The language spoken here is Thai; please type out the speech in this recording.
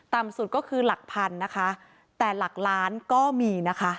สุดก็คือหลักพันนะคะแต่หลักล้านก็มีนะคะ